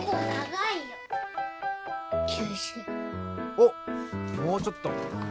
おっもうちょっと。